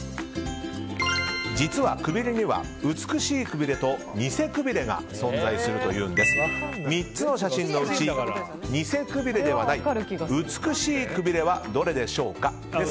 実は、くびれには美しいくびれとニセくびれが存在するのですが３つの写真のうちニセくびれではない美しいくびれはどれでしょうか？